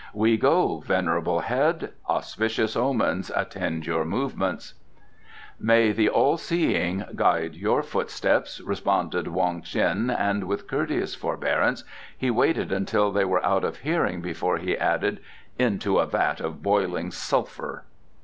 We go, venerable head; auspicious omens attend your movements!" "May the All Seeing guide your footsteps," responded Wong Ts'in, and with courteous forbearance he waited until they were out of hearing before he added "into a vat of boiling sulphur!"